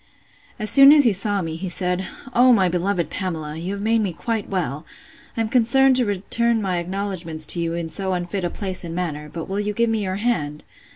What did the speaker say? As soon as he saw me, he said, O my beloved Pamela! you have made me quite well. I'm concerned to return my acknowledgments to you in so unfit a place and manner; but will you give me your hand?